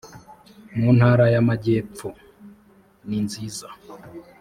mu ntara y aamajyepfo ninziza